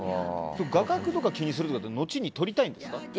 画角とか気にするのって後に撮りたいんですか？